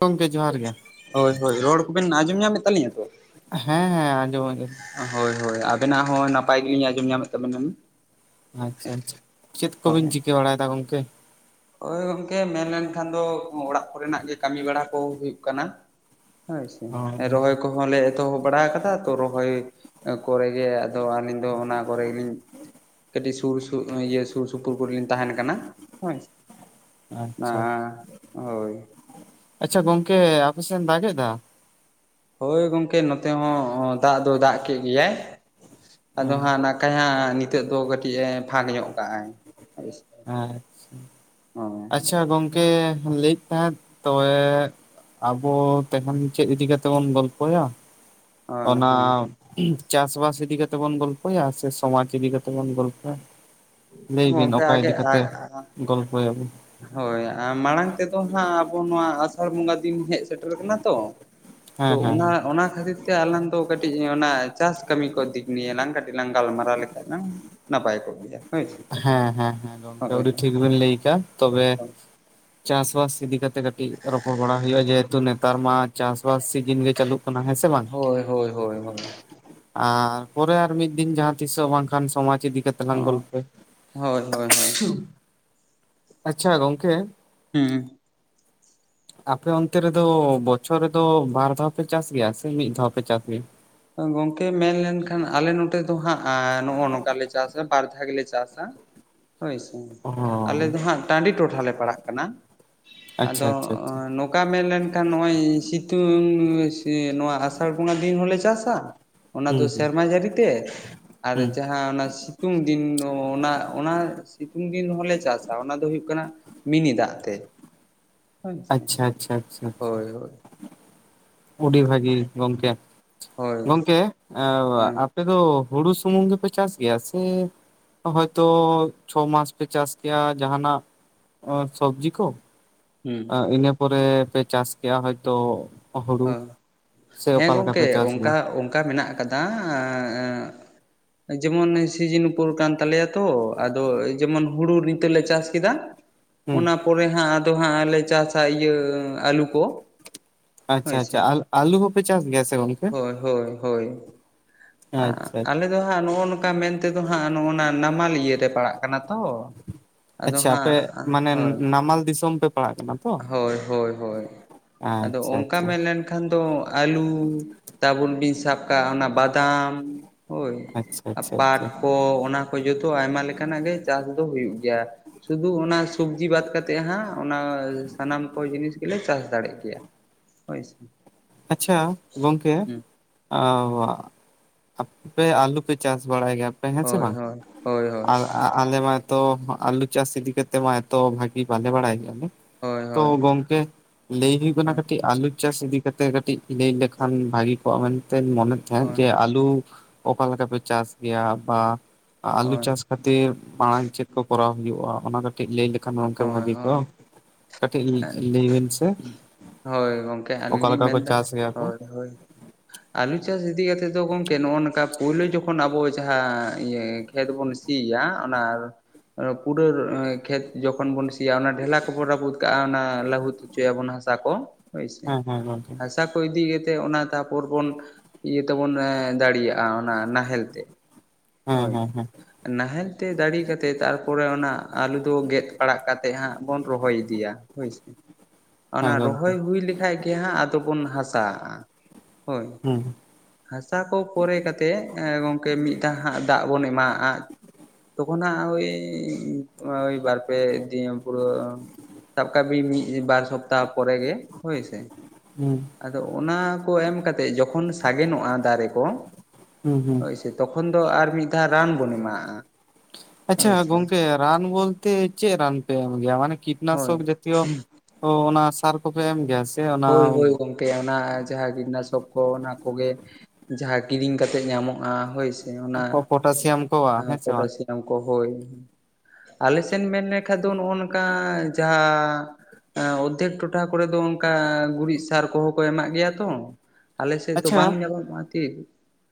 ᱜᱚᱝᱠᱮ ᱡᱚᱦᱟᱨ ᱜᱮ᱾ ᱦᱳᱭ ᱦᱳᱭ ᱨᱚᱲ ᱠᱚᱵᱤᱱ ᱟᱸᱡᱚᱢ ᱧᱟᱢᱮᱫ ᱛᱟᱹᱞᱤᱧᱟ ᱛᱚ? ᱦᱮᱸ ᱦᱮᱸ ᱟᱸᱡᱚᱢ ᱟᱸᱡᱚᱢ᱾ ᱦᱳᱭ ᱦᱳᱭ ᱟᱵᱮᱱᱟᱜ ᱦᱚᱸ ᱱᱟᱯᱟᱭ ᱜᱮᱞᱤᱧ ᱟᱸᱡᱚᱢ ᱧᱟᱢᱮᱫ ᱛᱟᱵᱮ ᱱᱟᱞᱤᱧ᱾ ᱟᱪᱪᱷᱟ ᱟᱪᱪᱷᱟ ᱪᱮᱫ ᱠᱚᱵᱤᱱ ᱦᱳᱭ᱾ ᱪᱤᱠᱟᱹ ᱵᱟᱲᱟᱭᱮᱫᱟ ᱜᱚᱝᱠᱮ? ᱦᱳᱭ ᱜᱚᱝᱠᱮ ᱢᱮᱱ ᱞᱮᱱᱠᱷᱟᱱ ᱫᱚ ᱚᱲᱟᱜ ᱠᱚᱨᱮᱱᱟᱜ ᱜᱮ ᱠᱟᱹᱢᱤ ᱵᱟᱲᱟ ᱠᱚ ᱦᱩᱭᱩᱜ ᱠᱟᱱᱟ᱾ ᱟᱪᱷᱟ ᱚ ᱮ ᱨᱚᱦᱚᱭ ᱠᱚᱦᱚᱸ ᱞᱮ ᱮᱛᱚᱦᱚᱵ ᱵᱟᱲᱟ ᱟᱠᱟᱫᱟ ᱛᱚ ᱨᱚᱦᱚᱭ ᱟ ᱠᱚᱨᱮᱜᱮ ᱟᱫᱚ ᱟᱹᱞᱤᱧ ᱫᱚ ᱚᱱᱟ ᱠᱚᱨᱮ ᱜᱤᱧ ᱠᱟᱹᱴᱤᱡ ᱥᱩᱨ ᱥᱩᱨ ᱱᱚᱭ ᱤᱭᱟᱹ ᱥᱩᱨ ᱥᱩᱯᱩᱨ ᱠᱚᱨᱮᱞᱤᱧ ᱛᱟᱦᱮᱱ ᱠᱟᱱᱟ ᱦᱳᱭ᱾ ᱟᱪᱪᱷᱟ ᱟ ᱦᱳᱭ᱾ ᱟᱪᱪᱷᱟ ᱜᱚᱝᱠᱮ ᱟᱯᱮ ᱥᱮᱜ ᱫᱟᱜ ᱮᱫᱟ? ᱦᱳᱭ ᱜᱚᱝᱠᱮ ᱱᱚᱛᱮ ᱦᱚᱸ ᱫᱟᱜ ᱫᱚ ᱫᱟᱜ ᱠᱮᱜ ᱜᱮᱭᱟᱭ᱾ ᱟᱫᱚ ᱦᱮᱸ ᱦᱟᱸᱜ ᱱᱟᱠᱟᱭ ᱦᱟᱸᱜ ᱱᱤᱛᱚᱜ ᱫᱚ ᱠᱟᱹᱴᱤᱡ ᱮ ᱯᱷᱟᱸᱠ ᱧᱚᱜ ᱠᱟᱜᱟᱭ ᱦᱳᱭ ᱥᱮ᱾ ᱟᱪᱪᱷᱟ, ᱟᱪᱪᱷᱟ ᱜᱚᱝᱠᱮ ᱞᱟᱹᱭᱮᱫ ᱛᱟᱦᱮᱸᱫ ᱛᱚᱵᱮ ᱟᱵᱚ ᱛᱮᱵᱚᱱ ᱪᱮᱫ ᱤᱫᱤ ᱠᱟᱛᱮ ᱵᱚᱱ ᱜᱚᱞᱯᱚᱭᱟ ᱦᱳᱭ ᱚᱱᱟ ᱪᱟᱥᱵᱟᱥ ᱤᱫᱤ ᱠᱟᱛᱮ ᱵᱚᱱ ᱜᱚᱞᱯᱚᱭᱟ ᱥᱮ ᱥᱚᱢᱟᱡᱽ ᱤᱫᱤ ᱠᱟᱛᱮ ᱵᱚᱱ ᱜᱚᱞᱯᱚᱭᱟ? ᱞᱟᱹᱭ ᱵᱤᱱ ᱜᱚᱝᱠᱮ ᱚᱠᱟ ᱟᱜᱮ ᱤᱫᱤ ᱠᱟᱛᱮ ᱜᱚᱞᱯᱚᱭᱟᱵᱩ? ᱦᱳᱭ ᱟᱨ ᱢᱟᱲᱟᱝ ᱛᱮᱫᱚ ᱦᱟᱸᱜ ᱟᱵᱚ ᱱᱚᱣᱟ ᱟᱥᱟᱲ ᱵᱚᱸᱜᱟ ᱫᱤᱱ ᱦᱮᱡ ᱥᱮᱴᱮᱨ ᱠᱟᱱᱟ ᱛᱚ ᱦᱮᱸ ᱛᱳ ᱦᱮᱸ ᱚᱱᱟ ᱦᱮᱸ ᱚᱱᱟ ᱠᱷᱟᱹᱛᱤᱨ ᱛᱮ ᱟᱞᱟᱝ ᱫᱚ ᱠᱟᱹᱴᱤᱡ ᱚᱱᱟ ᱪᱟᱥ ᱠᱟᱹᱢᱤ ᱠᱚ ᱫᱤᱠ ᱱᱤᱭᱮᱞᱟᱝ ᱠᱟᱹᱴᱤᱡ ᱞᱟᱝ ᱜᱟᱞᱢᱟᱨᱟᱣ ᱞᱮᱠᱷᱟᱡ ᱞᱟᱝ ᱱᱟᱯᱟᱭ ᱠᱚᱜ ᱜᱮᱭᱟ᱾ ᱦᱳᱭ ᱥᱮ ᱦᱮᱸ ᱦᱮᱸ ᱦᱮᱸ ᱜᱚᱝᱠᱮ ᱦᱳᱭ ᱟᱹᱣᱰᱤ ᱦᱳᱭ ᱴᱷᱤᱠ ᱵᱮᱱ ᱞᱟᱹᱭ ᱠᱟᱜᱼᱟ᱾ ᱛᱚᱵᱮ ᱪᱟᱥ ᱵᱟᱥ ᱤᱫᱤ ᱠᱟᱛᱮᱜ ᱠᱟᱹᱴᱤᱡ ᱨᱚᱯᱚᱲ ᱵᱟᱲᱟ ᱦᱩᱭᱩᱜᱼᱟ ᱡᱮ ᱛᱚ ᱱᱮᱛᱟᱨ ᱢᱟ ᱪᱟᱥᱵᱟᱥ ᱥᱤᱡᱤᱱ ᱜᱮ ᱪᱟᱹᱞᱩᱜ ᱠᱟᱱᱟ ᱦᱮᱸ ᱥᱮ ᱵᱟᱝ ᱦᱳᱭ ᱦᱳᱭ ᱦᱳᱭ ᱟᱨ ᱯᱚᱨᱮ ᱟᱨ ᱢᱤᱫ ᱫᱤᱱ ᱡᱟᱦᱟᱸ ᱛᱤᱥᱚᱜ ᱵᱟᱝᱠᱷᱟᱱ ᱥᱚᱢᱟᱡᱽ ᱤᱫᱤ ᱠᱟᱛᱮ ᱞᱟᱝ ᱜᱚᱞᱯᱷᱚᱭᱟ ᱾ ᱦᱳᱭ ᱦᱳᱭ ᱦᱳᱭ᱾ ᱟᱪᱪᱷᱟ ᱜᱚᱝᱠᱮ ᱦᱩᱸ ᱟᱯᱮ ᱚᱱᱛᱮ ᱨᱮᱫᱚ ᱵᱚᱪᱷᱚᱨ ᱨᱮᱫᱚ ᱵᱟᱨ ᱫᱷᱟᱣ ᱯᱮ ᱪᱟᱥ ᱜᱮᱭᱟ ᱥᱮ ᱢᱤᱫ ᱫᱷᱟᱣ ᱯᱮ ᱪᱟᱥ ᱜᱮᱭᱟ? ᱜᱚᱝᱠᱮ ᱢᱮᱱᱞᱮᱱᱠᱷᱟᱱ ᱟᱞᱮ ᱱᱚ ᱛᱮ ᱫᱚ ᱦᱟᱸᱜ ᱮᱸ ᱱᱚᱜᱼᱚ ᱱᱚᱝᱠᱟ ᱞᱮ ᱪᱟᱥᱟ ᱵᱟᱨ ᱫᱷᱟᱣ ᱜᱮᱞᱮ ᱪᱟᱥᱟ ᱾ ᱦᱳᱭ ᱥᱮ ᱚ ᱟᱞᱮ ᱫᱚ ᱦᱟᱸᱜ ᱴᱟᱺᱰᱤ ᱴᱚᱴᱷᱟ ᱞᱮ ᱯᱟᱲᱟᱜ ᱠᱟᱱᱟ᱾ ᱟᱪᱪᱷᱟ ᱟᱫᱚ ᱟᱪᱪᱷᱟ ᱟᱪᱪᱷᱟ ᱱᱳᱠ ᱠᱟ ᱢᱮᱱᱞᱮᱱᱠᱷᱟᱱ ᱱᱚᱜ ᱚᱭ ᱥᱤᱛᱩᱝ ᱱᱚᱣᱟ ᱟᱥᱟᱲ ᱵᱚᱸᱜᱟ ᱫᱤᱱ ᱦᱚᱞᱮ ᱪᱟᱥᱟ᱾ ᱚᱱᱟ ᱫᱚ ᱦᱩᱸ ᱦᱩᱸ ᱥᱮᱨᱢᱟ ᱡᱟᱹᱲᱤᱛᱮ ᱟᱨ ᱦᱩᱸ ᱡᱟᱦᱟᱸ ᱚᱱᱟ ᱥᱤ ᱛᱩᱝ ᱫᱤᱱ ᱚ ᱚᱱᱟ ᱚᱱᱟ ᱥᱤᱛᱩᱝ ᱫᱤᱱ ᱦᱚᱞᱮ ᱪᱟᱥᱟ ᱚᱱᱟ ᱫᱚ ᱦᱩᱭᱩᱜ ᱠᱟᱱᱟ ᱢᱤᱱᱤ ᱫᱟᱜ ᱛᱮ ᱦᱳᱭ ᱥᱮ ᱟᱪᱪᱷᱟ ᱟᱪᱪᱷᱟ ᱟᱪᱪᱷᱟ ᱟᱪᱪᱷᱟ ᱦᱳᱭ ᱦᱳᱭ ᱳᱰᱤ ᱵᱷᱟᱹᱜᱤ ᱜᱚᱝᱠᱮ, ᱦᱳᱭ ᱜᱚᱝᱠᱮ ᱮᱸᱣᱟ ᱦᱮᱸ ᱟᱯ ᱯᱮ ᱫᱚ ᱦᱩᱲᱩ ᱥᱩᱢᱩᱝ ᱜᱮᱯᱮ ᱪᱟᱥ ᱜᱮᱭᱟ ᱥᱮ ᱦᱚᱭᱛᱚ ᱪᱷᱚ ᱢᱟᱥ ᱯᱮ ᱪᱟᱥ ᱠᱮ ᱟ ᱡᱟᱦᱟᱸᱱᱟᱜ ᱥᱚᱵᱽᱡᱤ ᱠᱚ ᱦᱩᱸ ᱟᱸᱜ ᱤᱱᱟᱹ ᱯᱚᱨᱮ ᱯᱮ ᱪᱟᱥ ᱠᱮ ᱟ ᱦᱚᱭᱛᱚ ᱦᱩᱲᱩ ᱦᱚᱸ, ᱥᱮ ᱦᱮᱸ ᱚᱠᱟ ᱞᱮᱠᱟ ᱜᱚᱝᱠᱮ ᱯᱮ ᱪᱟᱥ ᱚᱝᱠᱟ ᱜᱮᱭᱟ ᱚᱝᱠᱟ ᱢᱮᱱᱟᱜ ᱠᱟᱫᱟ ᱟᱸ ᱟᱸᱜ [inaudible] ᱡᱮᱢᱚᱱ ᱥᱤᱡᱤᱱ ᱩᱯᱚᱨ ᱠᱟᱱ ᱛᱟᱞᱮᱭᱟ ᱛᱚ ᱟᱫᱚ ᱡᱮᱢᱚᱱ ᱦᱩᱲᱩ ᱱᱤᱛᱚᱜ ᱞᱮ ᱪᱟᱥ ᱠᱮᱫᱟ ᱦᱩᱸ ᱚᱱᱟ ᱯᱚᱨᱮ ᱦᱟᱸᱜ ᱟᱫᱚ ᱦᱟᱸᱜ ᱞᱮ ᱪᱟᱥᱟ ᱤᱭᱟᱹ ᱟᱞᱩ ᱠᱚ᱾ ᱦᱳᱭ ᱟᱪᱪᱷᱟ ᱟᱪᱪᱷᱟ ᱥᱮ ᱟᱞ ᱟᱞᱩ ᱦᱚᱸᱯᱮ ᱪᱟᱥ ᱜᱮᱭᱟ ᱥᱮ ᱜᱚᱝᱠᱮ? ᱦᱳᱭ ᱦᱳᱭ ᱦᱳᱭ ᱟᱸ ᱟᱪᱪᱷᱟ ᱟᱞᱮ ᱫᱚ ᱦᱟᱸᱜ ᱱᱚᱜᱼᱚ ᱱᱚᱝᱠᱟ ᱢᱮᱱ ᱛᱮᱫᱚ ᱦᱟᱸᱜ ᱱᱚᱜᱼᱚ ᱱᱟ ᱱᱟᱢᱟᱞᱤᱭᱟᱹ ᱨᱮ ᱯᱟᱲᱟᱜ ᱠᱟᱱᱟ ᱛᱚ᱾ ᱟᱫᱚ ᱟᱪᱪᱷᱟ ᱦᱟᱸᱜ ᱟᱯᱮ ᱢᱟᱱᱮ ᱦᱳᱭ ᱱᱟᱢᱟᱞ ᱫᱤᱥᱚᱢ ᱯᱮ ᱯᱟᱲᱟᱜ ᱠᱟᱱᱟ᱾ ᱛᱚ ᱦᱳᱭ ᱦᱳᱭ ᱦᱳᱭ ᱟᱫᱚ ᱟᱪᱪᱷᱟ ᱚᱝᱠᱟ ᱟᱪᱪᱷᱟ ᱢᱮᱱᱞᱮᱱ ᱠᱷᱟᱱ ᱫᱚ ᱟᱹᱞᱩ ᱛᱟᱵᱚᱱ ᱵᱤᱱ ᱥᱟᱵ ᱠᱟᱜᱼᱟ ᱚᱱᱟ ᱵᱟᱫᱟᱢ ᱦᱳᱭ ᱟᱪᱪᱷᱟ ᱟ ᱟᱪᱪᱷᱟ ᱯᱟᱴ ᱟᱪᱪᱷᱟ ᱠᱚ ᱚᱱᱟ ᱠᱚ ᱡᱚᱛᱚ ᱟᱭᱢᱟ ᱞᱮᱠᱟᱱᱟᱜ ᱜᱮ ᱪᱟᱥ ᱫᱚ ᱦᱩᱭᱩᱜ ᱜᱮᱭᱟ᱾ ᱥᱩᱫᱷᱩ ᱚᱱᱟ ᱥᱚᱵᱽᱡᱤ ᱵᱟᱫ ᱠᱟᱛᱮᱜ ᱦᱟᱸᱜ ᱚᱱᱟ ᱥᱟᱱᱟᱢ ᱠᱚ ᱡᱤᱱᱤᱥ ᱜᱮᱞᱮ ᱪᱟᱥ ᱫᱟᱲᱮᱜ ᱜᱮᱭᱟ ᱦᱳᱭᱥᱮ᱾ ᱟᱪᱪᱷᱟ ᱜᱚᱝᱠᱮ ᱟᱸᱣ ᱣᱟᱵ ᱟᱯᱯᱮ ᱟᱞᱩ ᱯᱮ ᱪᱟᱥ ᱵᱟᱲᱟᱭ ᱜᱮᱭᱟᱯᱮ ᱦᱮᱸ ᱥᱮ ᱦᱳᱭ ᱵᱟᱝ ᱦᱳᱭ ᱦᱳᱭ ᱦᱳᱭ ᱟᱜ ᱟᱸᱜ ᱟᱞᱮ ᱢᱟᱛᱚ ᱟᱞᱩ ᱪᱟᱥ ᱤᱫᱤ ᱠᱟᱛᱮ ᱢᱟ ᱮᱛᱚ ᱵᱷᱟᱹᱜᱤ ᱵᱟᱞᱮ ᱵᱟᱲᱟᱭ ᱜᱮᱭᱟᱞᱮ᱾ ᱦᱳᱭ ᱛᱚ ᱦᱳᱭ ᱜᱚᱝᱠᱮ ᱞᱟᱹᱭ ᱦᱩᱭᱩᱜ ᱠᱟᱱᱟ ᱦᱳᱭ ᱠᱟᱹᱴᱤᱡ ᱟᱹᱞᱩ ᱪᱟᱥ ᱤᱫᱤ ᱠᱟᱛᱮᱜ ᱠᱟᱹᱴᱤᱡ ᱞᱟᱹᱭ ᱞᱮᱠᱷᱟᱱ ᱵᱷᱟᱜᱤ ᱠᱚᱜᱼᱟ ᱢᱮᱱᱛᱮᱧ ᱢᱚᱱᱮ ᱛᱟᱸᱦᱮᱫ ᱦᱳᱭ ᱡᱮ ᱟᱞᱩ ᱚᱠᱟ ᱞᱮᱠᱟ ᱯᱮ ᱪᱟᱥ ᱜᱮᱭᱟ ᱵᱟ ᱟᱞᱩ ᱪᱟᱥ ᱦᱳᱭ ᱠᱷᱟᱹᱛᱤᱨ ᱢᱟᱲᱟᱝ ᱪᱮᱫ ᱠᱚ ᱠᱚᱨᱟᱣ ᱦᱩᱭᱩᱜᱼᱟ ᱚᱱᱟ ᱠᱟ ᱴᱤᱡ ᱞᱟᱹᱭ ᱞᱮᱠᱷᱟᱱ ᱜᱚᱝᱠᱮ ᱵᱷᱟᱜᱤ ᱦᱳᱭ ᱠᱚᱜ-ᱟ ᱠᱟᱹᱴᱤᱡ ᱞᱟᱹᱭᱵᱤᱱ ᱥᱮ ᱦᱳᱭ ᱜᱚᱢᱠᱮ ᱚᱠᱟ ᱟᱹᱞᱤᱧ ᱞᱤᱧ ᱞᱮᱠᱟ ᱠᱚ ᱢᱮᱱᱫᱟ ᱪᱟᱥ ᱜᱮᱭᱟ ᱠᱚ ᱦᱳᱭ ᱦᱳᱭ ᱟᱞᱩ ᱪᱟᱥ ᱤᱫᱤ ᱠᱟᱛᱮᱜ ᱫᱚ ᱜᱚᱢᱠᱮ ᱱᱚᱜᱼᱚ ᱱᱚᱝᱠᱟ ᱯᱩᱭᱞᱟᱩ ᱡᱚᱠᱷᱚᱱ ᱟᱵᱚ ᱡᱟᱦᱟᱸ ᱤᱭᱟᱹ ᱠᱷᱮᱛ ᱵᱚᱱ ᱥᱤᱭᱟ ᱚᱱᱟ ᱯᱩᱨᱟᱹ ᱠᱷᱮᱛ ᱡᱚᱠᱷᱚᱱ ᱵᱚᱱ ᱥᱤᱭᱟ ᱚᱱᱟ ᱰᱷᱮᱞᱟᱠ ᱠᱚᱵᱚᱱ ᱨᱟᱹᱯᱩᱫ ᱠᱟᱜᱼᱟ ᱚᱱᱟ ᱞᱟᱹᱦᱩᱫ ᱦᱚᱪᱚᱭᱟᱵᱚᱱ ᱦᱟᱥᱟ ᱠᱚ ᱦᱳᱭ ᱥᱮ ᱦᱮᱸ ᱦᱮᱸ ᱜᱚᱝᱠᱮ ᱚᱱᱟ ᱠᱚ ᱤᱫᱤ ᱠᱟᱛᱮᱜ ᱚᱱᱟ ᱛᱟᱯᱚᱨ ᱵᱚᱱ ᱤᱭᱟᱹ ᱛᱮᱵᱚᱱ ᱫᱟᱲᱮᱭᱟᱜᱼᱟ ᱚᱱᱟ ᱱᱟᱦᱮᱞ ᱛᱮ ᱦᱮᱸ ᱦᱳᱭ ᱦᱮᱸ ᱦᱮᱸ ᱱᱟᱦᱮᱞ ᱛᱮ ᱫᱟᱲᱮ ᱠᱟᱛᱮᱫ ᱛᱟᱨᱯᱚᱨᱮ ᱚᱱᱟ ᱟᱞᱩ ᱫᱚ ᱜᱮᱫ ᱯᱟᱲᱟᱜ ᱠᱟᱛᱮᱫ ᱦᱟᱸᱜ ᱵᱚᱱ ᱨᱚᱦᱚᱭ ᱤᱫᱤᱭᱟ ᱦᱚᱭ ᱥᱮ [inaudible] ᱚᱱᱟ ᱨᱚᱦᱚᱭ ᱦᱩᱭ ᱞᱮᱠᱷᱟᱡ ᱜᱮ ᱦᱟᱸᱜ ᱟᱫᱚ ᱵᱚᱱ ᱦᱟᱥᱟᱜᱼᱟ ᱦᱳᱭ ᱦᱩᱸ ᱦᱟᱥᱟ ᱠᱚ ᱯᱚᱨᱮ ᱠᱟᱛᱮᱜ ᱦᱮᱸ ᱜᱚᱝᱠᱮ ᱢᱤᱫ ᱫᱷᱟᱣ ᱦᱟᱸᱜ ᱫᱟᱜ ᱵᱚᱱ ᱮᱢᱟᱜᱼᱟ ᱛᱚᱠᱷᱚᱱ ᱦᱟᱸᱜ ᱚᱭ ᱵᱟᱨᱯᱮ ᱫᱤᱱ ᱯᱩᱨᱟᱹ ᱥᱟᱯ ᱠᱟᱜ ᱵᱤᱱ ᱢᱤᱫ ᱵᱟᱨ ᱥᱚᱯᱛᱟᱦᱟ ᱯᱚᱨᱮ ᱜᱮ ᱦᱳᱭ ᱥᱮ ᱦᱩᱸ ᱟᱫᱚ ᱚᱱᱟ ᱠᱚ ᱮᱢ ᱠᱟᱛᱮ ᱡᱚ ᱥᱟᱜᱮᱱᱚᱜᱼᱟ ᱫᱟᱨᱮ ᱠᱚ ᱦᱳᱭᱥᱮ ᱛᱚᱠᱷᱚᱱ ᱫᱚ ᱟᱨ ᱢᱤᱫ ᱫᱷᱟᱣ ᱨᱟᱱ ᱵᱚᱱ ᱮᱢᱟᱜᱼᱟ ᱟᱪᱷᱟ ᱦᱳᱭ ᱥᱮ ᱜᱚᱢᱠᱮ ᱨᱟᱱ ᱵᱚᱞ ᱛᱮ ᱪᱮᱫ ᱨᱟᱱ ᱯᱮ ᱮᱢ ᱜᱮᱭᱟ ᱢᱟᱱᱮ ᱦᱳᱭ ᱠᱤᱴᱱᱟᱥᱚᱠ ᱡᱟᱛᱤᱭᱚ ᱚᱱᱟ ᱥᱟᱨ [unintelligible] ᱜᱮᱭᱟ ᱥᱮ ᱚᱱᱟ ᱦᱳᱭ ᱦᱳᱭ ᱜᱚᱝᱠᱮ ᱚᱱᱟ ᱡᱟᱦᱟᱸ ᱠᱤᱴᱱᱟᱥᱚᱠ ᱠᱚ ᱚᱱᱟ ᱠᱚᱜᱮ ᱡᱟᱦᱟᱸ ᱠᱤᱨᱤᱧ ᱠᱟᱛᱮᱜ ᱧᱟᱢᱚᱜᱼᱟ ᱦᱳᱭᱥᱮ ᱚᱱᱟ ᱯᱚᱴᱟᱥᱤᱭᱟᱢ ᱠᱚ ᱦᱮᱸ ᱥᱮ ᱵᱟᱝ ᱯᱚᱴᱟᱥᱤᱭᱟᱢ ᱠᱚ ᱦᱳᱭ ᱟᱞᱮ ᱥᱮᱫ ᱢᱮᱱ ᱞᱮᱠᱷᱟᱱ ᱫᱚ ᱱᱚᱜᱼᱚ ᱱᱚᱝᱠᱟ ᱡᱟᱦᱟᱸ ᱦᱮᱸ ᱚᱨᱫᱷᱮᱠ ᱴᱚᱴᱷᱟ ᱠᱚᱨᱮ ᱫᱚ ᱚᱱᱠᱟ ᱜᱩᱨᱤᱡ ᱥᱟᱨ ᱠᱚᱦᱚᱸ ᱠᱚ ᱮᱢᱟᱜ ᱜᱮᱭᱟ ᱛᱚ ᱟᱞᱮᱥᱮᱫ ᱫᱚ ᱵᱟᱝ ᱟᱪᱪᱷᱟ ᱧᱮᱞᱚᱜᱼᱟ ᱠᱤ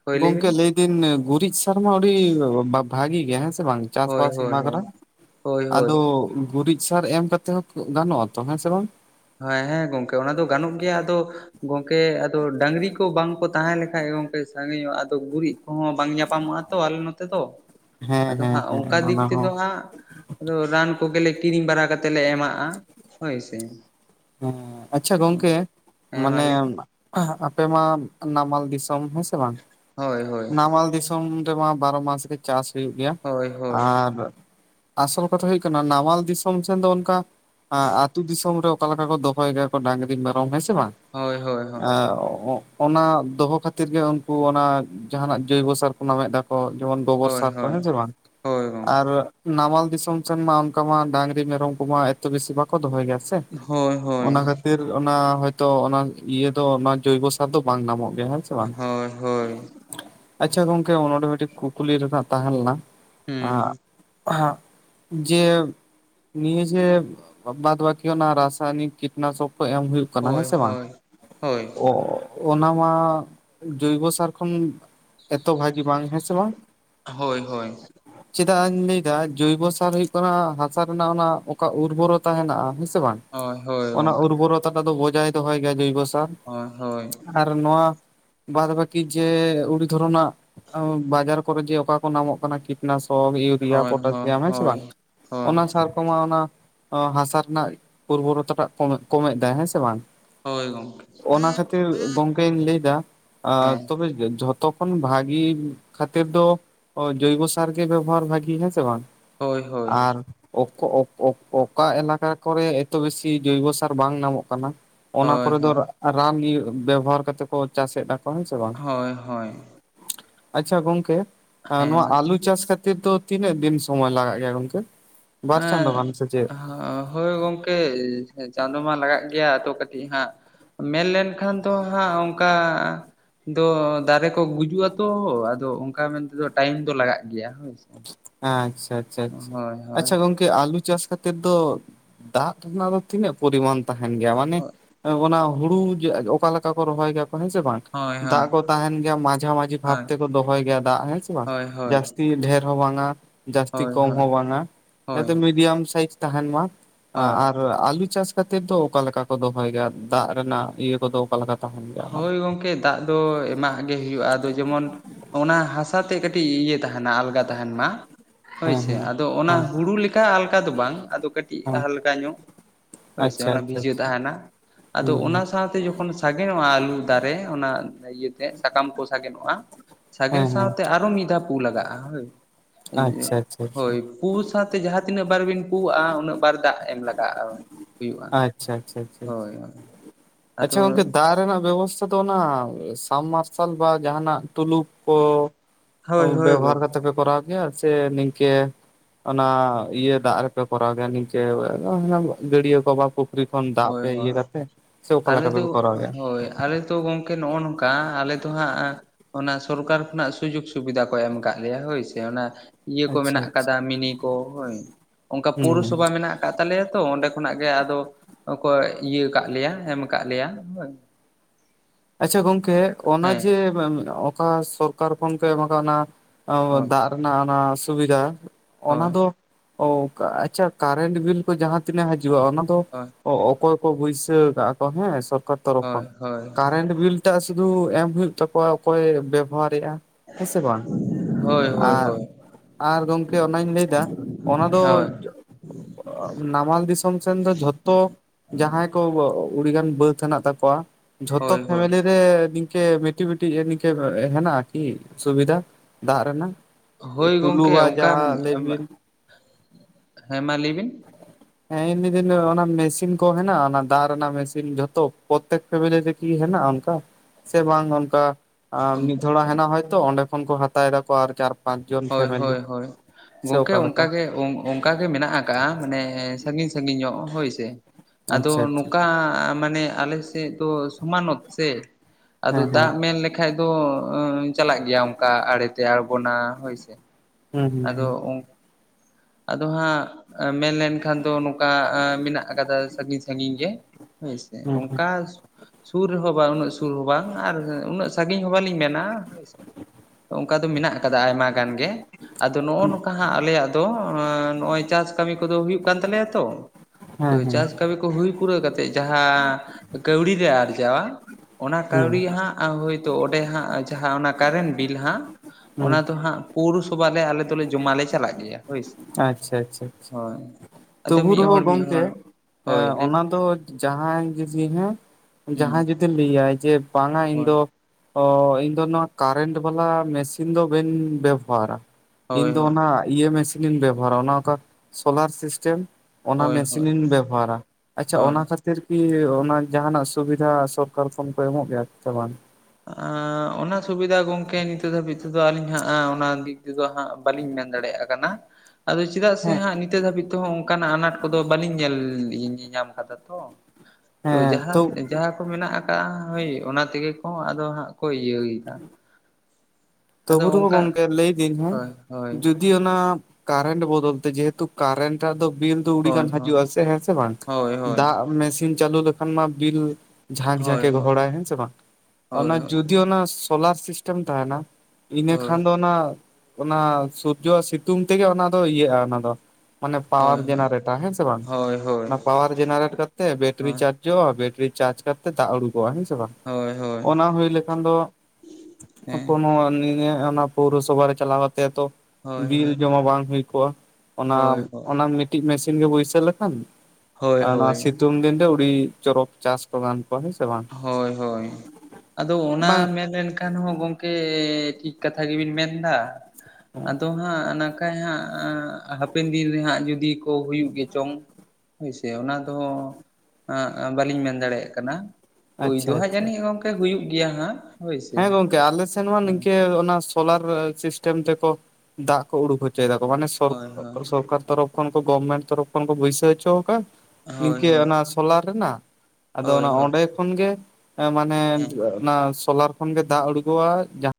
ᱦᱳᱭᱞᱟᱹᱭᱵᱤᱱ ᱢᱤᱫ ᱫᱤᱱ ᱜᱩᱨᱤᱡ ᱥᱟᱨᱢᱟ ᱟᱹᱰᱤ ᱵᱷᱟᱜᱤ ᱜᱮᱭᱟ ᱦᱮᱸ ᱥᱮ ᱵᱟᱝ ᱪᱟᱥ ᱦᱳᱭ ᱵᱟᱥ ᱦᱳᱭ ᱮᱢᱟ ᱦᱳᱭ ᱠᱟᱱᱟ ᱦᱳᱭ ᱦᱳᱭ ᱟᱫᱚ ᱜᱩᱨᱤᱡ ᱥᱟᱨ ᱮᱢ ᱠᱟᱛᱮ ᱜᱟᱱᱚᱜ-ᱟ ᱛᱚ ᱦᱮᱸ ᱥᱮ ᱵᱟᱝ ᱦᱮᱸ ᱦᱮᱸ ᱜᱚᱝᱠᱮ ᱚᱱᱟ ᱫᱚ ᱜᱟᱱᱚᱜ ᱜᱮᱭᱟ ᱟᱫᱚ ᱜᱚᱝᱠᱮ ᱟᱫᱚ ᱰᱟᱝᱨᱤ ᱠᱚ ᱵᱟᱝ ᱠᱚ ᱛᱟᱦᱮᱸ ᱞᱮᱠᱷᱟᱡ ᱜᱚᱝᱠᱮ ᱥᱟᱸᱜᱤᱧᱚᱜᱼᱟ ᱟᱫᱚ ᱜᱩᱨᱤᱡ ᱠᱚᱦᱚᱸ ᱵᱟᱝ ᱧᱟᱯᱟᱢᱚᱜᱼᱟ ᱛᱚ ᱟᱞᱮ ᱱᱚᱛᱮ ᱫᱚ ᱦᱮᱸ ᱟᱫᱚ ᱦᱮᱸ ᱦᱟᱸᱜ ᱚᱱᱠᱟ ᱦᱮᱸ ᱫᱤᱠ ᱚᱱᱟ ᱦᱚᱸ ᱛᱮᱫᱚ ᱦᱟᱸᱜ ᱟᱫᱚ ᱨᱟᱱ ᱠᱚᱜᱮᱞᱮ ᱠᱤᱨᱤᱧ ᱵᱟᱲᱟ ᱠᱟᱛᱮᱜ ᱞᱮ ᱮᱢᱟᱜᱼᱟ ᱦᱳᱭ ᱥᱮ ᱦᱮᱸ ᱟᱪᱪᱷᱟ ᱜᱚᱝᱠᱮ ᱦᱮᱸ ᱢᱟ ᱞᱟᱹᱭ ᱵᱤᱱ ᱢᱟᱱᱮ ᱟᱯᱮ ᱢᱟ ᱱᱟᱢᱟᱞ ᱫᱤᱥᱚᱢ ᱦᱮᱸᱥᱮ ᱵᱟᱝ ᱦᱳᱭ ᱦᱳᱭ ᱱᱟᱢᱟᱞ ᱫᱤᱥᱚᱢ ᱨᱮᱢᱟ ᱵᱟᱨᱚ ᱢᱟᱥ ᱜᱮ ᱪᱟᱥ ᱦᱩᱭᱩᱜ ᱜᱮᱭᱟ ᱦᱳᱭ ᱦᱳᱭ ᱟᱨ ᱟᱥᱚᱞ ᱠᱟᱛᱷᱟ ᱦᱩᱭᱩᱜ ᱠᱟᱱᱟ ᱱᱟᱢᱟᱞ ᱫᱤᱥᱚᱢ ᱥᱮᱱ ᱫᱚ ᱚᱱᱠᱟ ᱟᱛᱩ ᱫᱤᱥᱚᱢ ᱨᱮ ᱚᱠᱟ ᱞᱮᱠᱟ ᱠᱚ ᱫᱚᱦᱚᱭ ᱜᱮᱭᱟ ᱠᱚ ᱰᱟᱝᱨᱤ ᱢᱮᱨᱚᱢ ᱦᱮᱸ ᱥᱮ ᱵᱟᱝ ᱦᱳᱭ ᱦᱳᱭ ᱚᱱᱟ ᱫᱚᱦᱚ ᱠᱷᱟᱛᱤᱨ ᱜᱮ ᱩᱱᱠᱩ ᱚᱱᱟ ᱡᱟᱦᱟᱱᱟᱜ ᱡᱳᱭᱵᱚ ᱥᱟᱨ ᱠᱚ ᱱᱟᱢᱮᱫᱟᱠᱚ ᱡᱮᱢᱚᱱ ᱜᱚᱵᱚᱨ ᱦᱳᱭ ᱥᱟᱨ ᱠᱚ ᱦᱳᱭ ᱦᱮᱸ ᱥᱮ ᱵᱟᱝ ᱦᱳᱭ ᱦᱳᱭ ᱜᱚᱝᱠᱮ ᱟᱨ ᱱᱟᱢᱟᱞ ᱫᱤᱥᱳᱢ ᱥᱮᱱ ᱢᱟ ᱚᱱᱠᱟ ᱢᱟ ᱰᱟᱝᱨᱤ ᱢᱮᱨᱚᱢ ᱠᱚᱢᱟ ᱮᱛᱚ ᱵᱮᱥᱤ ᱵᱟᱠᱚ ᱫᱚᱦᱚᱭ ᱜᱮᱭᱟ ᱥᱮ ᱦᱳᱭ ᱦᱳᱭ ᱚᱱᱟ ᱠᱷᱟᱹᱛᱤᱨ ᱚᱱᱟ ᱦᱳᱭᱛᱚ ᱚᱱᱟ ᱤᱭᱟᱹᱫᱚ ᱚᱱᱟ ᱡᱳᱭᱵᱚ ᱥᱟᱨ ᱫᱚ ᱵᱟᱝ ᱧᱟᱢᱚᱜ ᱜᱮᱭᱟ ᱦᱮᱸ ᱛᱮ ᱵᱟᱝ ᱦᱳᱭ ᱦᱳᱭ ᱟᱪᱪᱷᱟ ᱜᱚᱝᱠᱮ ᱱᱚᱰᱮ ᱢᱤᱜᱴᱤᱜ ᱠᱩᱠᱞᱤ ᱨᱟᱠᱟᱜ ᱛᱟᱦᱮᱸᱞᱮᱱᱟ ᱟ ᱦᱩᱸ ᱦᱟᱜ ᱟ ᱦᱟᱸᱜ ᱡᱮ ᱱᱤᱭᱟᱹ ᱡᱮ ᱵᱟᱫ ᱵᱟᱠᱤ ᱦᱚᱸ ᱱᱟ ᱨᱟᱥ ᱥᱟᱭᱚᱱᱤᱠ ᱠᱤᱴᱱᱟᱥᱚᱠ ᱠᱚ ᱮᱢ ᱦᱩᱭᱩᱜ ᱠᱟᱱᱟ ᱦᱮᱸ ᱦᱳᱭ ᱦᱳᱭ ᱥᱮ ᱵᱟᱝ? ᱦᱳᱭ ᱚ ᱚᱱᱟ ᱢᱟ ᱡᱳᱭᱵᱚ ᱥᱟᱨ ᱠᱷᱚᱱ ᱮᱛᱚ ᱵᱷᱟᱹᱜᱤ ᱵᱟᱝ ᱦᱮᱸ ᱥᱮ ᱵᱟᱝ ᱦᱳᱭ ᱦᱳᱭ ᱪᱮᱫᱟᱜ ᱤᱧ ᱞᱟᱹᱭ ᱫᱟ ᱡᱳᱭᱵ ᱥᱟᱨ ᱦᱩᱭᱩᱜ ᱠᱟᱱᱟ ᱦᱟᱥᱟ ᱨᱮᱱᱟᱜ ᱚᱱᱟ ᱚᱠᱟ ᱩᱨᱵᱚᱨᱚᱛᱟ ᱦᱮᱱᱟᱜ-ᱟ ᱦᱮᱸᱥᱮ ᱵᱟᱝ ᱦᱚᱭ ᱦᱳᱭ ᱚᱱᱟ ᱜᱚᱝᱠᱮ ᱩᱨᱵᱚᱨᱚᱛᱟ ᱴᱟ ᱫᱚ ᱵᱚᱡᱟᱭ ᱫᱚᱦᱚᱭ ᱜᱮᱭᱟ ᱡᱳᱭᱵᱚ ᱥᱟᱨ, ᱦᱚᱭ ᱦᱳᱭ ᱟᱨ ᱱᱚᱣᱟ ᱵᱟᱫ ᱵᱟᱹᱠᱤ ᱡᱮ ᱩᱲᱤ ᱫᱷᱚᱨᱚᱱᱟᱜ ᱵᱟᱡᱟᱨ ᱠᱚᱨᱮ ᱡᱮ ᱚᱠᱟ ᱠᱚ ᱱᱟᱢᱚᱜ ᱠᱟᱱᱟ ᱠᱤ ᱠᱤᱴᱱᱟᱥᱚᱠ ᱤᱭᱩᱨᱤᱭᱟ ᱦᱳᱭ ᱯᱚᱴᱟᱥᱤᱭᱟᱢ ᱦᱳᱭ ᱦᱮᱸ ᱥᱮ ᱦᱳᱭ ᱵᱟᱝ ᱦᱳᱭ ᱚᱱᱟ ᱥᱟᱨ ᱠᱟᱢᱟ ᱚᱱᱟ ᱦᱟᱥᱟ ᱨᱮᱱᱟᱜ ᱩᱨᱵᱚᱨᱚᱛᱟ ᱴᱟᱜ ᱠᱚᱢᱮᱫ ᱫᱟᱭ ᱦᱮᱸ ᱥᱮ ᱵᱟᱝ? ᱦᱳᱭ ᱜᱚᱝᱠᱮ ᱚᱱᱟ ᱠᱷᱟᱹᱛᱤᱨ ᱜᱚᱝᱠᱮᱧ ᱞᱟᱹᱭ ᱫᱟ ᱦᱮᱸ ᱛᱚᱵᱮ ᱡᱷᱚᱛᱚ ᱠᱷᱚᱱ ᱵᱷᱟᱹᱜᱤ ᱠᱷᱟᱹᱛᱤᱨ ᱫᱚ ᱡᱳᱭᱵᱳ ᱥᱟᱨ ᱜᱮ ᱵᱮᱵᱚᱦᱟᱨ ᱵᱷᱟᱜᱤ ᱦᱮᱸ ᱥᱮ ᱵᱟᱝ? ᱦᱳᱭ ᱦᱳᱭ ᱟᱨ ᱚᱠᱚ ᱚᱠ ᱚᱠ ᱚᱠ ᱚᱠᱟ ᱮᱞᱟᱠᱟ ᱠᱚᱨᱮ ᱮᱛᱚ ᱵᱮᱥᱤ ᱠᱤ ᱡᱳᱭᱵᱚ ᱥᱟᱨ ᱵᱟᱝ ᱧᱟᱢᱚᱜ ᱠᱟᱱᱟ ᱚᱱᱟ ᱦᱳᱭ ᱠᱚᱨᱮ ᱫᱚ ᱦᱳᱭ ᱨᱟᱱ ᱵᱮᱵᱚᱦᱟᱨ ᱠᱟᱛᱮ ᱠᱚ ᱪᱟᱥᱮᱫᱟ᱾ ᱠᱚ ᱦᱮᱸ ᱥᱮ ᱵᱟᱝ ᱦᱳᱭ ᱦᱳᱭ ᱟᱪᱪᱷᱟ ᱜᱚᱝᱠᱮ ᱦᱮᱸ ᱱᱚᱣᱟ ᱢᱟ ᱞᱟᱹᱭ ᱟᱞᱩ ᱵᱤᱱ ᱪᱟᱥ ᱠᱟ ᱛᱮᱫ ᱫᱚ ᱛᱤᱱᱟᱹᱜ ᱫᱤᱱ ᱥᱚᱢᱚᱭ ᱞᱟᱜᱟᱜ ᱜᱮᱭᱟ ᱜᱚᱝᱠᱮ? ᱵᱟᱨ ᱪᱟᱸᱫᱳ ᱜᱟᱱ ᱮᱜ ᱥᱮ ᱪᱮᱫ ᱦᱚᱻ ᱦᱳᱭ ᱜᱚᱝᱠᱮ ᱪᱟᱸᱫᱳ ᱢᱟ ᱞᱟᱜᱟᱜ ᱜᱮᱭᱟ ᱟᱫᱚ ᱠᱟᱹᱴᱤᱡ ᱦᱟᱸᱜ ᱢᱮᱱ ᱞᱱᱮᱠᱷᱟᱱ ᱫᱚ ᱦᱟᱸᱜ ᱚᱝᱠᱟ ᱫᱚ ᱫᱟᱨᱮ ᱠᱚ ᱜᱩᱡᱩᱜ ᱟ ᱛᱚ ᱟᱫᱚ ᱚᱝᱠᱟ ᱢᱮᱱ ᱛᱮᱫᱚ ᱴᱟᱭᱤᱢ ᱫᱚ ᱞᱟᱜᱟᱜ ᱜᱮᱭᱟ ᱦᱳᱭ ᱥᱮ᱾ ᱟᱪᱪᱷᱟ ᱟᱪᱪᱷᱟᱷᱟ ᱟᱪᱪᱷᱟ, ᱦᱳᱭ ᱦᱳᱭ ᱟᱪᱪᱷᱟ ᱜᱚᱝᱠᱮ ᱟᱹᱞᱩ ᱪᱟᱥ ᱠᱟᱛᱮᱜ ᱫᱚ ᱫᱟᱜ ᱨᱮᱱᱟᱜ ᱫᱚ ᱛᱤᱱᱟᱹᱜ ᱯᱚᱨᱤᱢᱟᱱ ᱛᱟᱦᱮᱱ ᱜᱮᱭᱟ ᱢᱟᱱᱮ ᱚᱱᱟ ᱦᱩᱲᱩ ᱚᱠᱟ ᱞᱮᱠᱟ ᱠᱚ ᱨᱚᱦᱚᱭ ᱜᱮᱭᱟ ᱠᱚ ᱦᱮᱸ ᱥᱮ ᱵᱟᱝ? ᱦᱳᱭ ᱦᱳᱭ ᱦᱳᱭ ᱫᱟᱜ ᱠᱚ ᱛᱟᱦᱮᱱ ᱜᱮᱭᱟ ᱢᱟᱡᱷᱟ ᱢᱟᱡᱷᱤ ᱵᱷᱟᱵ ᱛᱮᱠᱚ ᱫᱚᱦᱚᱭ ᱜᱮᱭᱟ ᱫᱟᱜ ᱦᱮᱸ ᱥᱮ ᱵᱟᱝ ᱦᱳᱭ ᱦᱳᱭ ᱡᱟᱹᱥᱛᱤ ᱰᱷᱮᱹᱨ ᱦᱚᱸ ᱵᱟᱝ-ᱟ ᱡᱟᱥᱛᱤ ᱦᱳᱭ ᱠᱚᱢ ᱦᱚᱸ ᱦᱳᱭ ᱵᱟᱝ-ᱟ ᱦᱳᱭ ᱡᱟᱛᱮ ᱢᱤᱰᱤᱭᱟᱢ ᱥᱟᱭᱤᱡ ᱛᱟᱦᱮᱱ ᱢᱟ ᱦᱳᱭ ᱟ ᱟᱞᱩ ᱪᱟᱥ ᱠᱟᱛᱮᱫ ᱫᱚ ᱚᱠᱟᱞ ᱞᱮᱠᱟ ᱠᱚ ᱫᱚᱦᱚᱭ ᱜᱮᱭᱟ ᱫᱟᱜ ᱨᱮᱱᱟᱜ ᱤᱭᱟᱹ ᱠᱚᱫᱚ ᱚᱠᱟ ᱞᱮᱠᱟ? ᱛᱟᱦᱮᱱ ᱜᱮᱭᱟ ᱚᱱᱟ ᱫᱚ? ᱦᱳᱭ ᱜᱚᱝᱠᱮ ᱫᱟᱜ ᱫᱚ ᱮᱢᱟᱜ ᱜᱮ ᱦᱩᱭᱩᱜ-ᱟ ᱟᱫᱚ ᱡᱮᱢᱚᱱ ᱚᱱᱟ ᱦᱟᱥ ᱥᱟ ᱛᱮᱜ ᱠᱟᱹᱴᱤᱜ ᱤᱭᱟᱹ ᱛᱟᱦᱮᱱᱟ ᱟᱞᱜᱟ ᱛᱟᱦᱮᱱ ᱢᱟ ᱦᱳᱭ ᱦᱮᱸ ᱥᱮ ᱦᱮᱸ ᱟᱫᱚ ᱚᱱᱟ ᱦᱮᱸ ᱦᱩᱲᱩ ᱞᱮᱠᱟ ᱟᱞᱜᱟ ᱫᱚ ᱵᱟᱝ ᱟᱫᱚ ᱠᱟᱹᱴᱤᱜ ᱦᱮᱸ ᱦᱟᱞᱠᱟ ᱧᱚᱜ ᱦᱳᱭᱥᱮ ᱟᱪᱪᱷᱟ ᱚᱱᱟ ᱟᱪᱪᱷᱟ ᱵᱷᱤᱡᱟᱹ ᱟᱪᱪᱷᱟ ᱛᱟᱦᱮᱱᱟ ᱟᱫᱚ ᱦᱩᱸ ᱚᱱᱟ ᱦᱩᱸ ᱥᱟᱶᱛᱮ ᱡᱚᱠᱷᱚᱱ ᱥᱟᱜᱮᱱᱚᱜ-ᱟ ᱟᱹᱞᱩ ᱫᱟᱨᱮ ᱚᱱᱟ ᱤᱭᱟᱹᱛᱮᱜ ᱥᱟᱠᱟᱢ ᱠᱚ ᱥᱟᱜᱮᱱᱚᱜ-ᱟ ᱥᱟᱜᱮᱱ ᱦᱮᱸ ᱦᱮᱸ ᱥᱟᱶᱛᱮ ᱟᱨᱚ ᱢᱤᱫ ᱫᱷᱟᱣ ᱯᱩ ᱞᱟᱜᱟᱜ-ᱟ ᱦᱳᱭ ᱟᱪᱪᱷᱟ ᱟᱪᱪᱷᱟ ᱟᱪᱪᱷᱟ ᱦᱳᱭ ᱯᱩ ᱥᱟᱶᱛᱮ ᱡᱟᱦᱟᱸ ᱛᱤᱱᱟᱹᱜ ᱵᱟᱨ ᱵᱤᱱ ᱯᱩᱣᱟᱜ-ᱟ ᱩᱱᱟᱹᱜ ᱵᱟᱨ ᱫᱟᱜ ᱮᱢ ᱞᱟᱜᱟᱜ-ᱟ᱾ ᱦᱩᱭᱩᱜ-ᱟ ᱟᱪᱪᱷᱟ ᱟᱪᱪᱷᱟ ᱟᱪᱪᱷᱟ ᱟᱪᱪᱷᱟ ᱦᱳᱭ ᱦᱳᱭ ᱟᱫᱚ ᱟᱪᱪᱷᱟ ᱜᱚᱝᱠᱮ ᱫᱟᱜ ᱨᱮᱱᱟᱜ ᱵᱮᱵᱚᱥᱛᱟ ᱫᱚ ᱚᱱᱟ ᱥᱟᱵ ᱢᱟᱨᱥᱟᱞ ᱵᱟ ᱡᱟᱦᱟᱱᱟᱜ ᱴᱩᱞᱩᱠ ᱠᱚ ᱦᱳᱭ ᱦᱳᱭ ᱜᱚ ᱵᱮᱵᱷᱟᱨ ᱠᱟᱛᱮ ᱯᱮ ᱠᱚᱨᱟᱣ ᱜᱮᱭᱟ ᱥᱮ ᱱᱤᱝᱠᱟᱹ ᱚᱱᱟ ᱤᱭᱟᱹ ᱫᱟᱜ ᱨᱮᱯᱮ ᱠᱚᱨᱟᱣ ᱜᱮᱭᱟ ᱱᱤᱝᱠᱟᱹ ᱜᱟᱹᱰᱭᱟᱹ ᱠᱚ ᱵᱟᱠᱚ ᱯᱩᱠᱷᱨᱤ ᱠᱷᱚᱱ ᱫᱟᱜ ᱦᱳᱭ ᱯᱮ ᱤᱭᱟᱹ ᱦᱳᱭ ᱠᱟᱛᱮ, ᱥᱮ ᱚᱠᱟ ᱟᱞᱮ ᱞᱮᱠᱟ ᱯᱮ ᱫᱚ ᱠᱚᱨᱟᱣ ᱜᱮᱭᱟ ᱦᱳᱭ ᱟᱞᱮ ᱫᱚ ᱜᱚᱝᱠᱮ ᱱᱚᱜᱼᱚ ᱱᱚᱝᱠᱟ, ᱟᱞᱮ ᱫᱚ ᱦᱟᱸᱜ, ᱚᱱᱟ ᱥᱚᱨᱠᱟᱨ ᱠᱷᱚᱱᱟᱜ ᱥᱩᱡᱳᱜ ᱥᱩᱵᱤᱫᱷᱟ ᱠᱚ ᱮᱢ ᱠᱟᱫ ᱞᱮᱭᱟ ᱦᱳᱭ ᱥᱮ, ᱚᱱᱟ ᱤᱭᱟᱹ ᱠᱚ ᱟᱪᱪᱷᱟ ᱢᱮᱱᱟᱜ ᱟᱪᱪᱷᱟ ᱠᱟᱫᱟ ᱢᱤᱱᱤ ᱠᱚ, ᱚᱱᱠᱟ ᱦᱩᱸ ᱦᱩᱸ ᱯᱩᱨᱩᱥᱚᱵᱷᱟ ᱢᱮᱱᱟᱜ ᱠᱟᱫ ᱛᱟᱞᱮᱭᱟ ᱛᱚ, ᱚᱸᱰᱮ ᱠᱷᱚᱱᱟᱜ ᱜᱮ ᱟᱫᱚ ᱠᱚ ᱤᱭᱟᱹ ᱠᱟᱫ ᱞᱮᱭᱟ ᱮᱢ ᱠᱟᱫ ᱞᱮᱭᱟ᱾ ᱟᱪᱪᱷᱟ ᱜᱚᱝᱠᱮ ᱚᱱᱟ ᱦᱮᱸ ᱡᱮ, ᱚᱠᱟ ᱥᱚᱨᱠᱟᱨ ᱠᱷᱚᱱ ᱠᱚ ᱮᱢ ᱠᱟᱜ-ᱟ, ᱚᱱᱟ ᱦᱳᱭ ᱫᱟᱜ ᱨᱮᱱᱟᱜ ᱚᱱᱟ ᱥᱩᱵᱤᱫᱷᱟ, ᱚᱱᱟ ᱦᱳᱭ ᱫᱚ ᱚ ᱟᱪᱪᱷᱟ ᱠᱟᱨᱮᱱᱴ ᱵᱤᱞ ᱠᱚ ᱡᱟᱦᱟᱸ ᱛᱤᱱᱟᱹᱜ ᱦᱤᱡᱩᱜᱼᱟ, ᱚᱱᱟ ᱫᱚ ᱠᱚᱭ ᱵᱩᱭᱥᱟᱣ ᱠᱟᱜ ᱠᱚ ᱦᱮᱸ, ᱥᱚᱨᱠᱟᱨ ᱛᱚᱨᱚᱯ ᱠᱷᱚᱱ᱾ ᱦᱳᱭ ᱦᱳᱭ ᱠᱟᱨᱮᱱᱴ ᱵᱤᱞ ᱴᱟᱜ ᱥᱩᱫᱷᱩ ᱮᱢ ᱦᱩᱭᱩᱜ ᱛᱟᱠᱚᱣᱟ ᱚᱠᱚᱭ ᱵᱮᱵᱚᱦᱟᱨᱮᱫᱼᱟ ᱦᱮᱸ ᱥᱮ ᱵᱟᱝ᱾ ᱦᱳᱭ ᱦᱳᱭ ᱦᱳᱭ ᱦᱳᱭ ᱟᱨ, ᱟᱨ ᱜᱚᱝᱠᱮ ᱚᱱᱟᱧ ᱞᱟᱹᱭᱫᱟ ᱚᱱᱟ ᱫᱚ ᱦᱳᱭ [unintelligible] ᱱᱟᱢᱟᱞ ᱫᱤᱥᱚᱢ ᱥᱮᱱ ᱫᱚ ᱡᱷᱚᱛᱚ ᱡᱟᱦᱟᱸᱭ ᱠᱚ ᱩᱲᱤᱜᱟᱱ ᱵᱟᱹᱫ ᱦᱮᱱᱟᱜ ᱛᱟᱠᱚᱣᱟ, ᱡᱷᱚᱛᱚ ᱦᱳᱭ ᱦᱳᱭ ᱯᱷᱮᱢᱮᱞᱤ ᱨᱮ ᱱᱤᱝᱠᱟᱹ ᱠᱤ ᱵᱤᱴᱤᱡ ᱮ ᱱᱤᱝᱠᱟᱹ ᱦᱮᱱᱟᱜᱼᱟ ᱠᱤ ᱥᱩᱵᱤᱫᱷᱟ ᱫᱟᱜ ᱨᱮᱱᱟᱜ? ᱦᱳᱭ ᱴᱩᱞᱩ ᱜᱚᱝᱠᱮ ᱵᱟ ᱚᱱᱠᱟ ᱡᱟᱦᱟ ᱞᱟᱹᱭ ᱵᱤᱱ? ᱦᱮᱸ ᱢᱟ ᱞᱟᱹᱭ ᱵᱤᱱ? ᱦᱮᱸ ᱢᱮᱱ ᱫᱤᱧ ᱢᱮᱥᱤᱱ ᱠᱚ ᱦᱮᱱᱟᱜ ᱟ ᱚᱱᱟ ᱫᱟᱜ ᱨᱮᱱᱟᱜ ᱢᱮᱥᱤᱱ ᱡᱷᱚᱛᱚ ᱯᱨᱚᱛᱛᱮᱠ, [unintelligible] ᱠᱤ ᱦᱱᱟ ᱚᱱᱠᱟ ᱥᱮ ᱵᱟᱝ ᱚᱱᱠᱟ᱾ ᱟᱨ ᱢᱤᱫ ᱫᱷᱟᱚᱲ ᱦᱮᱱᱟᱜ ᱦᱚᱭᱛᱚ, ᱚᱸᱰᱮ ᱠᱷᱚᱱ ᱠᱚ ᱦᱟᱛᱟᱣ ᱫᱟ ᱠᱚ ᱟᱨ ᱪᱟᱨᱯ ᱦᱳᱭ ᱦᱳᱭ ᱦᱳᱭ, ᱜᱚᱝᱠᱮ ᱚᱠᱟᱞᱮᱠᱟ ᱚᱱᱠᱟᱜ ᱜᱮ, ᱳᱸ ᱚᱱᱠᱟ ᱜᱮ ᱢᱮᱱᱟᱜ ᱠᱟᱹᱟ ᱢᱟᱱᱮ ᱥᱟᱺᱜᱤᱧ ᱥᱟᱺᱜᱤᱧ ᱧᱚᱜ ᱦᱳᱭ ᱥᱮ᱾ ᱟᱫᱚ ᱟᱪᱪᱷᱟ ᱟᱪᱪᱷᱟ ᱱᱚᱝᱠᱟ ᱢᱟᱱᱮ ᱟᱞᱮ ᱥᱮᱫ ᱫᱚ ᱥᱚᱢᱟᱱᱚᱛ ᱥᱮ᱾ ᱟᱫᱚ ᱦᱮᱸ ᱦᱮᱸ ᱫᱟᱜ ᱢᱮᱱ ᱞᱮᱠᱷᱟᱡ ᱫᱚ, ᱪᱟᱞᱟᱜ ᱜᱮᱭᱟ ᱚᱱᱠᱟ ᱟᱲᱮᱛᱮ ᱟᱲᱜᱚᱱᱟ ᱦᱳᱭ ᱥᱮ᱾ ᱦᱩᱸ ᱟᱫᱚ ᱚᱸ [unintelligible] ᱟᱫᱚ ᱦᱟᱸᱜ ᱢᱮᱱ ᱞᱮᱱᱠᱷᱟᱱ ᱫᱚ ᱱᱚᱝᱠᱟ ᱢᱮᱱᱟᱜ ᱠᱟᱫᱟ ᱥᱟᱺᱜᱤᱧ ᱥᱟᱺᱜᱤᱧ ᱜᱮ, ᱦᱳᱭ ᱥᱮ ᱦᱩᱸ ᱦᱩᱸ ᱚᱱᱠᱟ ᱥᱩᱢᱩᱝ, ᱥᱩᱨ ᱨᱮᱦᱚᱸ ᱵᱟᱝ ᱩᱱᱟᱹᱜ ᱥᱩᱨ ᱦᱚᱸ ᱵᱟᱝ, ᱟᱨ ᱩᱱᱟᱹᱜ ᱥᱟᱺᱜᱤᱧ ᱦᱚᱸ ᱵᱟᱞᱤᱧ ᱢᱮᱱᱟ ᱦᱳᱭ ᱥᱮ, ᱚᱱᱠᱟ ᱫᱚ ᱢᱮᱱᱟᱜ ᱠᱟᱫᱟ ᱟᱭᱢᱟ ᱜᱟᱱ ᱜᱮ, ᱟᱫᱚ ᱱᱚᱜᱼᱚ ᱦᱩᱸ ᱱᱚᱝᱠᱟ ᱦᱜ ᱟᱞᱮᱭᱟᱜ ᱫᱚ, ᱱᱚᱜᱚᱭ ᱪᱟᱥ ᱠᱟᱹᱢᱤ ᱠᱚᱫᱚ ᱦᱩᱭᱩᱜ ᱠᱟᱱ ᱛᱟᱞᱮᱭᱟ ᱛᱚ, ᱦᱮᱸ ᱦᱳᱭ ᱦᱮᱸ ᱪᱟᱥ ᱠᱟᱹᱢᱤ ᱠᱚ ᱦᱩᱭ ᱯᱩᱨᱟᱹᱣ ᱠᱟᱛᱮᱡ ᱡᱟᱦᱟᱸ ᱠᱟᱹᱣᱰᱤ ᱡᱮ ᱟᱨ ᱡᱟᱣᱟ, ᱚᱱᱟ ᱦᱩᱸ ᱠᱟᱹᱣᱰᱤ ᱦᱟᱸᱜ ᱦᱳᱭᱛᱳ ᱚᱸᱰᱮ ᱦᱟᱸᱜ ᱡᱟᱦᱟᱸ ᱠᱟᱨᱮᱱ ᱵᱤᱞ ᱦᱟᱸᱜ, ᱦᱩᱸ ᱚᱱᱟ ᱫᱚ ᱦᱟᱸᱜ ᱯᱳᱣᱨᱚᱥᱚᱵᱷᱟ ᱨᱮ ᱟᱞᱮ ᱫᱚᱞᱮ ᱡᱚᱢᱟᱞᱮ ᱪᱟᱞᱟᱜ ᱜᱮᱭᱟ ᱦᱳᱭ ᱥᱮ᱾ ᱟᱪᱪᱷᱟ, ᱟᱪᱪᱷᱟ, ᱟᱪᱪᱷᱟ, ᱦᱳᱭ ᱟᱫᱚ ᱢᱤᱫ ᱦᱚᱲ ᱛᱚᱵᱩᱨᱮᱦᱚᱸ ᱢᱤᱫ ᱜᱚᱝᱠᱮ, ᱦᱚᱲ ᱦᱳᱭ ᱮᱸ ᱞᱟᱹᱭ ᱚᱱᱟ ᱵᱤᱱ ᱫᱚ ᱡᱟᱦᱟᱸᱭ ᱡᱩᱫᱤ ᱦᱮᱸ, ᱦᱩᱸ ᱡᱟᱦᱟᱸ ᱡᱩᱫᱤ ᱞᱟᱹᱭᱟᱭ, ᱡᱮ ᱵᱟᱝᱟ ᱤᱧ ᱦᱳᱭ ᱫᱚ ᱚ ᱤᱧ ᱫᱚ ᱱᱚᱣᱟ ᱠᱟᱨᱮᱱᱴ ᱵᱟᱞᱟ ᱢᱮᱥᱤᱱ ᱫᱚ ᱵᱟᱹᱧ ᱵᱮᱵᱚᱦᱟᱨᱟ, ᱦᱳᱭ ᱤᱧ ᱫᱚ ᱦᱳᱭ ᱚᱱᱟ ᱤᱭᱟᱹ ᱢᱮᱥᱤᱱᱤᱧ ᱵᱮᱵᱚᱦᱟᱨᱟ, ᱚᱱᱟ ᱚᱱᱠᱟ ᱥᱳᱞᱟᱨ ᱥᱤᱥᱴᱮᱢ, ᱚᱱᱟ ᱦᱳᱭ ᱦᱳᱭ ᱢᱮᱥᱤᱱᱤᱧ ᱵᱮᱵᱚᱦᱟᱨᱟ ᱾ᱟᱪᱷᱟ ᱦᱳᱭ ᱚᱱᱟ ᱠᱷᱟᱹᱛᱤᱨ ᱠᱷᱟᱹᱛᱤᱨ ᱠᱤ ᱚᱱᱟ ᱡᱟᱦᱟᱱᱟᱜ ᱥᱩᱵᱤᱫᱷᱟ ᱥᱚᱨᱠᱟᱨ ᱠᱷᱚᱱ ᱠᱚ ᱮᱢᱚᱜ ᱜᱮᱭᱟ ᱥᱮ ᱵᱟᱝ? ᱟᱨ [unintelligible] ᱚᱱᱟ ᱥᱩᱵᱤᱫᱷᱟ ᱜᱚᱝᱠᱮ ᱱᱤᱛᱚᱜ ᱫᱷᱟᱹᱵᱤᱡ ᱛᱮᱫᱚ ᱟᱹᱞᱤᱧ ᱦᱟᱸᱜ ᱚᱱᱟ ᱫᱤᱠ ᱛᱮᱫᱚ ᱦᱟᱸᱜ ᱵᱟᱹᱞᱤᱧ ᱢᱮᱱ ᱫᱟᱲᱮᱭᱟᱜ ᱠᱟᱱᱟ᱾ ᱟᱫᱚ ᱪᱮᱫᱟᱜ ᱥᱮ ᱦᱮᱸ ᱦᱟᱸᱜ ᱱᱤᱛᱚᱜ ᱫᱷᱟᱹᱵᱤᱡ ᱛᱮᱦᱚᱸ ᱚᱱᱠᱟᱱᱟᱜ ᱟᱱᱟᱴ ᱠᱚᱫᱚ ᱵᱟᱹᱞᱤᱧ ᱧᱮᱞ ᱧᱟᱢ ᱟᱠᱟᱫᱟ ᱛᱚ᱾ ᱛᱚ ᱡᱟᱦᱟᱸ ᱡᱟᱦᱟᱸ ᱠᱚ ᱢᱮᱱᱟᱜ ᱠᱟᱜᱼᱟ, ᱦᱳᱭ ᱚᱱᱟ ᱛᱮᱜᱮ ᱠᱚ ᱟᱫᱚ ᱦᱟᱸᱜ ᱠᱚ ᱤᱭᱟᱹᱭ ᱫᱟ᱾ ᱛᱚᱵᱩ ᱨᱮᱦᱚᱸ ᱜᱚᱝᱠᱮ ᱞᱟᱹᱭ ᱫᱟᱹᱧ ᱦᱮᱸ ᱦᱳᱭ ᱦᱳᱭ ᱡᱩᱫᱤ ᱚᱱᱟ ᱠᱟᱨᱮᱱᱴ ᱵᱚᱫᱚᱞ ᱛᱮ ᱡᱮᱦᱮᱛᱩ, ᱠᱟᱨᱮᱱᱴᱟᱜ ᱫᱚ ᱵᱤᱞ ᱫᱚ ᱩᱲ ᱦᱳᱭ ᱜᱟᱱ ᱦᱤᱡᱩᱜᱟ, ᱥᱮ ᱦᱮᱸ ᱥᱮ ᱵᱟᱝ ᱦᱳᱭ ᱫᱟᱜ ᱦᱳᱭ ᱢᱮᱥᱤᱱ ᱪᱟᱞᱩ ᱞᱮᱠᱷᱟᱱ ᱢᱟ ᱵᱤᱞ ᱡᱷᱟᱸᱠ ᱡᱷᱟᱸᱠ ᱮ ᱦᱳᱭ ᱜᱚᱦᱚᱲᱟᱭ ᱦᱮᱸᱥᱮ ᱵᱟᱝ ᱦᱳᱭ ᱚᱱᱟ ᱦᱳᱭ ᱡᱩᱤ ᱫᱤ ᱚᱱᱟ ᱥᱚᱞᱟᱨ ᱥᱤᱥᱴᱮᱢ ᱛᱟᱦᱮᱱᱟ ᱤᱱᱟᱹᱠᱷᱟᱱ ᱦᱳᱭ ᱫᱚ ᱚᱱᱟ ᱚᱱᱟ ᱥᱩᱨᱡᱚᱣᱟᱜ ᱥᱤᱛᱩᱝ ᱛᱮᱜᱮ ᱚᱱᱟ ᱫᱚ ᱤᱭᱟᱹᱜ-ᱟ ᱚᱱᱟ ᱫᱚ ᱢᱟᱱᱮ ᱯᱟᱣᱟᱨ ᱦᱳᱭ ᱡᱮᱱᱟᱨᱮᱴᱟ ᱦᱮᱸ ᱥᱮ ᱵᱟᱝ ᱦᱳᱭ ᱦᱳᱭ ᱚᱱᱟ ᱦᱳᱭ ᱯᱟᱣᱟᱨ ᱡᱮᱱᱟᱨᱮᱴ ᱠᱟᱛᱮ ᱵᱮᱴᱨᱤ ᱦᱳᱭ ᱪᱟᱨᱡ ᱡᱚᱜᱟ ᱵᱮᱴᱨᱤ ᱪᱟᱡᱽ ᱠᱟᱛᱮᱜ ᱫᱟᱜ ᱩᱲᱩᱠ ᱠᱚᱜᱟ ᱦᱮᱸ ᱥᱮ ᱵᱟᱝ ᱦᱳᱭ ᱦᱳᱭ ᱚᱱᱟ ᱦᱩᱭ ᱞᱮᱠᱷᱟᱱ ᱫᱚ ᱦᱮᱸ ᱠᱱᱳ [unintelligible] ᱚᱱᱟ ᱯᱳᱣᱨᱳ ᱥᱚᱵᱷᱟ ᱨᱮ ᱪᱟᱞᱟᱣ ᱠᱟᱛᱮᱜ ᱛᱚ ᱦᱳᱭ ᱵᱤᱞ ᱦᱳᱭ ᱡᱚᱢᱟ ᱵᱟᱝ ᱦᱩᱭ ᱠᱚᱜ-ᱟ᱾ ᱚᱱᱟ ᱦᱳᱭ ᱦᱳᱭ ᱚᱱᱟ ᱢᱤᱫᱴᱤᱡ ᱢᱮᱥᱤᱱ ᱜᱮ ᱵᱟᱹᱭᱥᱟᱹᱣ ᱞᱮᱠᱷᱟᱱ ᱦᱳᱭ ᱟᱨ ᱚᱱᱟ ᱦᱳᱭ ᱥᱤᱛ ᱛᱩᱝ ᱫᱤᱱ ᱨᱮ ᱩᱰᱤ ᱪᱚᱨᱚᱠ ᱪᱟᱥ ᱠᱚ ᱜᱟᱱ ᱠᱚ ᱦᱮᱸ ᱥᱮ ᱵᱟᱝ᱾ ᱦᱳᱭ ᱦᱳᱭ ᱟᱫᱚ ᱚᱱᱟ ᱵᱟᱝ ᱢᱮᱱ ᱞᱮᱱᱠᱷᱟ ᱮᱱᱦᱚᱸ ᱜᱚᱝᱠᱮ ᱴᱷᱤᱠ ᱠᱟᱛᱷᱟ ᱜᱮᱵᱤᱱ ᱢᱮᱱᱫᱟ ᱟᱫᱚ ᱦᱟᱸᱜ ᱱᱟᱜᱠᱷᱟᱡ ᱦᱟᱸᱜ ᱦᱟᱯᱮᱱ ᱫᱤᱱ ᱨᱮ ᱦᱟᱸᱜ ᱡᱩᱫᱤ ᱠᱚ ᱦᱩᱭᱩᱜ ᱜᱮᱪᱚᱝ᱾ ᱦᱳᱭᱥᱮ ᱚᱱᱟ ᱫᱚ ᱵᱟᱸᱞᱤᱧ ᱢᱮᱱ ᱫᱟᱲᱮᱭᱟᱜ ᱠᱟᱱᱟ ᱦᱳᱭ ᱫᱚ ᱟᱪᱪᱷᱟ ᱦᱟᱸᱜ ᱟᱪᱪᱷᱟ ᱡᱟᱹᱱᱤᱡ ᱜᱚᱝᱠᱮ ᱦᱩᱭᱩᱜ ᱜᱮᱭᱟ ᱦᱟᱸᱜ᱾ ᱦᱳᱭᱥᱮ ᱦᱮᱸ ᱜᱚᱝᱠᱮ ᱟᱞᱮ ᱥᱮᱱ ᱦᱚᱸ ᱦᱳᱭ ᱱᱤᱝᱠᱟᱹ ᱚᱱᱟ ᱥᱳᱞᱟᱨ ᱥᱤᱥᱴᱮᱢ ᱛᱮᱠᱚ ᱫᱟᱜ ᱠᱚ ᱩᱲᱩᱠ ᱦᱚᱪᱚᱭ ᱫᱟᱠᱚ, ᱢᱟᱱᱮ ᱥᱚᱨᱠ ᱦᱳᱭ ᱥᱚᱨᱠᱟᱨ ᱛᱚᱨᱚᱯᱷ ᱠᱷᱚᱱ ᱠᱚ ᱜᱚᱢᱮᱱᱴ ᱛᱚᱨᱚᱯᱷ ᱠᱷᱚᱱ ᱠᱚ ᱵᱟᱹᱭᱥᱟᱹᱣ ᱦᱚᱪᱚ ᱠᱟᱜᱟ, ᱦᱳᱭ ᱱᱤᱝᱠᱟᱹ ᱦᱳᱭ ᱚᱱᱟ ᱥᱳᱞᱟᱨ ᱨᱮᱱᱟᱜ ᱟᱫᱚ ᱦᱳᱭ ᱚᱱᱟ ᱦᱳᱭ ᱚᱸᱰᱮ ᱠᱷᱚᱱ ᱜᱮ ᱮᱸ ᱢᱟᱱᱮ ᱦᱮᱸ ᱚᱱᱟ ᱥᱳᱞᱟᱨ ᱠᱷᱚᱱ ᱜᱮ ᱫᱟᱜ ᱩᱰᱩᱠᱚᱜ-ᱟ ᱡᱟ